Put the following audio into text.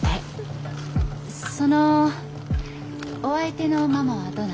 そのお相手のママはどなた？